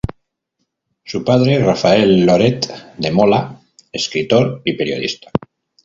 Su padre, Rafael Loret de Mola, escritor y periodista.